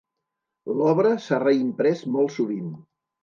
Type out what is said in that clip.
L'obra s'ha reimprès molt sovint.